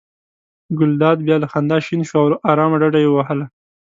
ګلداد بیا له خندا شین شو او آرامه ډډه یې ووهله.